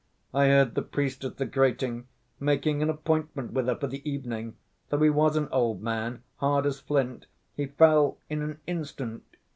I heard the priest at the grating making an appointment with her for the evening—though he was an old man hard as flint, he fell in an instant!